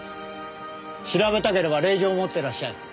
調べたければ令状を持ってらっしゃい。